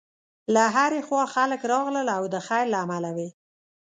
له هرې خوا خلک راغلل او د خیر له امله وې.